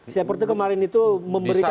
seperti kemarin itu memberikan